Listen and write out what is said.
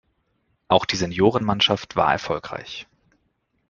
Auch die Seniorenmannschaft war erfolgreich.